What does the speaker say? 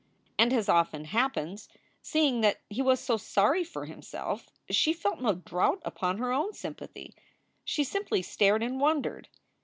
And, as often happens, seeing that he was so sorry for himself, she felt no draught upon her own sympathy. She simply stared and wondered.